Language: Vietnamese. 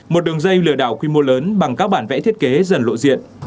một đường dây lừa đảo quy mô lớn bằng các bản vẽ thiết kế dần lộ diện